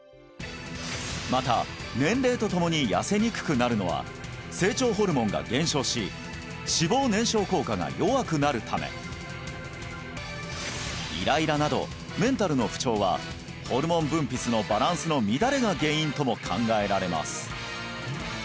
また年齢とともに痩せにくくなるのは成長ホルモンが減少し脂肪燃焼効果が弱くなるためイライラなどメンタルの不調はホルモン分泌のバランスの乱れが原因とも考えられます